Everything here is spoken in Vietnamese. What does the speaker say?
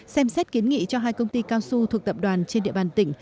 xem xét kiến nghị cho hai công ty cao su thuộc tập đoàn trên địa bàn tỉnh